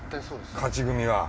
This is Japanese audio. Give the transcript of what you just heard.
勝ち組は。